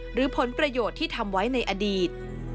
หรือผลประโยชน์ที่ทำไว้ในอดีต